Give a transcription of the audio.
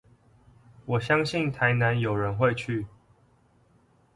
我相信台南有人會去